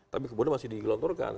tapi kemudian masih digelontorkan